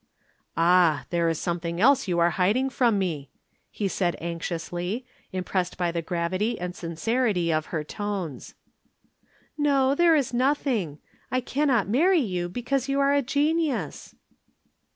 "Ah, there is something you are hiding from me," he said anxiously, impressed by the gravity and sincerity of her tones. "No, there is nothing. I cannot marry you, because you are a genius."